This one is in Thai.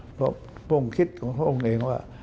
เพราะพระองค์คิดของพระองค์เองว่า